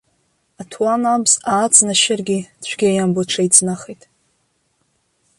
Аҭуан абз ааҵнашьыргьы цәгьа иамбо аҽыҩеиҵнахит.